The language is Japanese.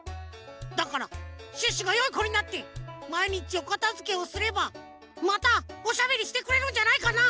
だからシュッシュがよいこになってまいにちおかたづけをすればまたおしゃべりしてくれるんじゃないかな？